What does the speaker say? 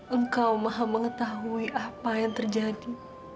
engkau maha mengetahui apa yang terjadi